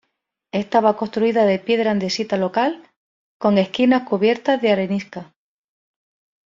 Estaba construida de piedra andesita local con esquinas cubiertas de arenisca.